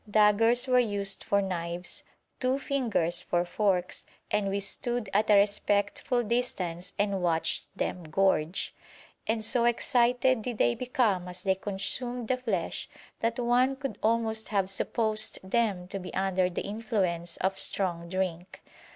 Daggers were used for knives, two fingers for forks, and we stood at a respectful distance and watched them gorge; and so excited did they become as they consumed the flesh, that one could almost have supposed them to be under the influence of strong drink.